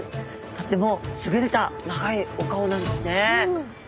とっても優れた長いお顔なんですね。